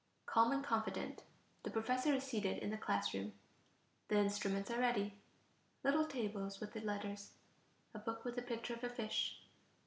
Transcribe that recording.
Calm and confident, the professor is seated in the class room; the instruments are ready; little tables with the letters, a book with the picture of a fish.